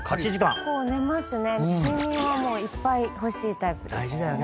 睡眠はもういっぱい欲しいタイプです。